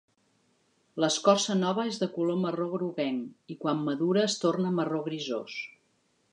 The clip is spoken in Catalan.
L'escorça nova és de color marró groguenc, i quan madura es torna marró grisós.